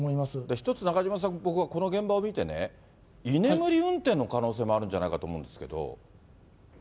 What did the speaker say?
一つ、中島さん、僕はこの現場を見てね、居眠り運転の可能性もあるんじゃないかと思うんですけれども。